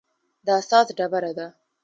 د اساس ډبره ده.